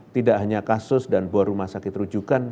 tidak hanya kasus dan bor rumah sakit rujukan